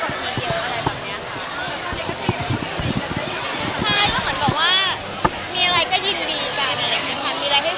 เป็นเพื่อนก็ได้แต่ว่าเขาอายุน้อยกว่าพีชอยู่อะไรแบบนี้